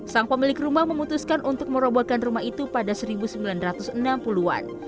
sang pemilik rumah memutuskan untuk merobohkan rumah itu pada seribu sembilan ratus enam puluh an